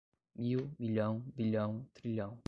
mil, milhão, bilhão, trilhão.